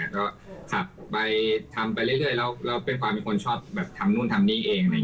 ก็ขับไปทำไปเรื่อยแล้วเป็นความเป็นคนชอบแบบทำนู่นทำนี่เอง